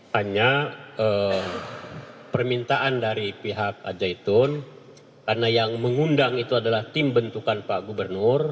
hanya permintaan dari pihak al zaitun karena yang mengundang itu adalah tim bentukan pak gubernur